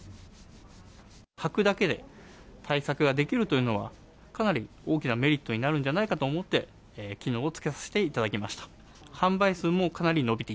はくだけで対策ができるというのは、かなり大きなメリットになるんじゃないかと思って、機能をつけさせていただきました。